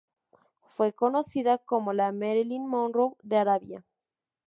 Fue conocida como la Marilyn Monroe de Arabia".